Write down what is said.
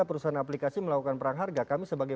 perusahaan aplikasi melakukan perang harga kami sebagai